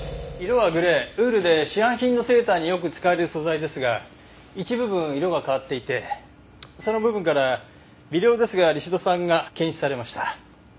色はグレーウールで市販品のセーターによく使われる素材ですが一部分色が変わっていてその部分から微量ですがリシド酸が検出されました。